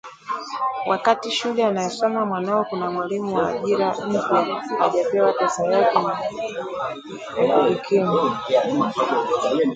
wakati shule anayosoma mwanao kuna mwalimu wa ajira mpya hajapewa pesa yake ya kujikimu